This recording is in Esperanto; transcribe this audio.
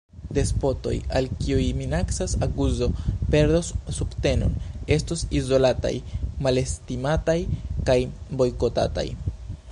Despotoj, al kiuj minacas akuzo, perdos subtenon, estos izolataj, malestimataj kaj bojkotataj.